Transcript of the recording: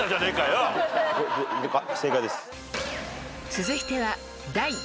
［続いては］